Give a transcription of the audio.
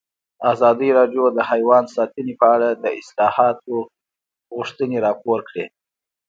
ازادي راډیو د حیوان ساتنه په اړه د اصلاحاتو غوښتنې راپور کړې.